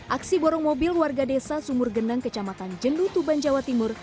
aksi borong mobil warga desa sumurgenang kecamatan jendutuban jawa timur